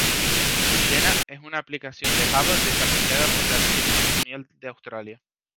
Xena es una aplicación de Java desarrollada por el Archivo Nacional de Australia.